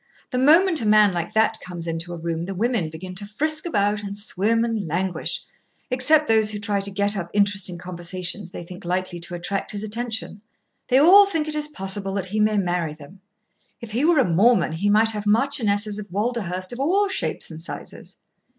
The moment a man like that comes into a room the women begin to frisk about and swim and languish, except those who try to get up interesting conversations they think likely to attract his attention. They all think it is possible that he may marry them. If he were a Mormon he might have marchionesses of Walderhurst of all shapes and sizes."